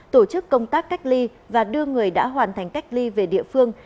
tổ chức công tác cách ly và đưa người đã hoàn thành cách ly về địa phương